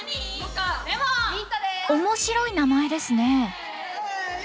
面白い名前ですね！